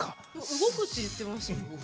動くって言ってましたよね。